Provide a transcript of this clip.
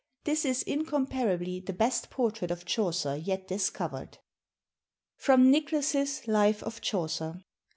This is incomparably the best portrait of Chaucer yet discovered." [Sidenote: Nicholas's Life of Chaucer.